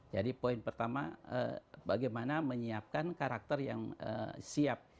jadi poin pertama bagaimana menyiapkan karakter yang siap